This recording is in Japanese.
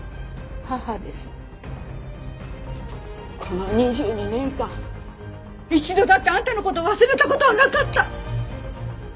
この２２年間一度だってあんたの事忘れた事はなかった！